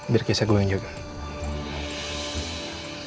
biar kisah gue yang jawabnya